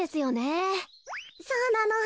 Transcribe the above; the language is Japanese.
そうなの。